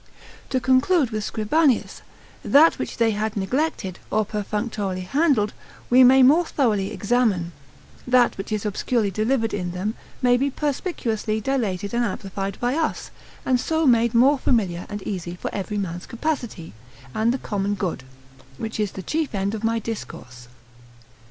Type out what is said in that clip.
To conclude with Scribanius, that which they had neglected, or perfunctorily handled, we may more thoroughly examine; that which is obscurely delivered in them, may be perspicuously dilated and amplified by us: and so made more familiar and easy for every man's capacity, and the common good, which is the chief end of my discourse.